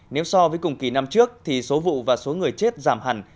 nếu so với cùng kỳ năm trước thì số vụ và số người chết giảm hẳn